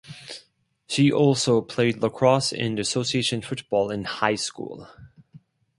She also played lacrosse and association football in high school.